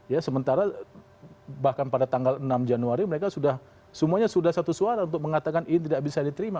ya sementara bahkan pada tanggal enam januari mereka sudah semuanya sudah satu suara untuk mengatakan ini tidak bisa diterima